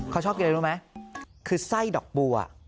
เขาชอบกินอะไรรู้ไหมคือไส้ดอกบัว